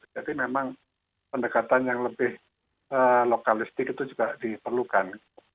jadi memang pendekatan yang lebih lokalistik itu juga diperlukan